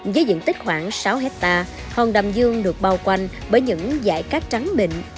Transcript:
với diện tích khoảng sáu hectare hòn đầm dương được bao quanh bởi những dãy cát trắng mịn